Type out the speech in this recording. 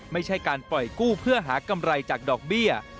ไม่ใช่การปล่อยกู้เพื่อหากำไรจากดอกเบี้ย